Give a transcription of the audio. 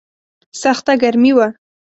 سخته ګرمي وه.